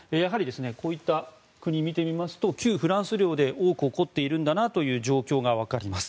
こういった国を見てみますと旧フランス領で多く起こっているんだなという状況がわかります。